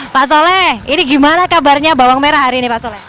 pak soleh ini gimana kabarnya bawang merah hari ini pak soleh